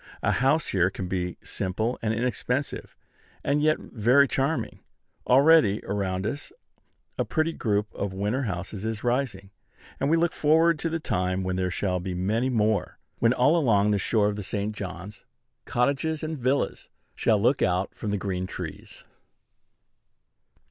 A house here can be simple and inexpensive, and yet very charming. Already, around us a pretty group of winter houses is rising: and we look forward to the time when there shall be many more; when, all along the shore of the St. John's, cottages and villas shall look out from the green trees.